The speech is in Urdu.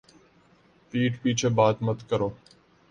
پِیٹھ پیچھے بات مت کرو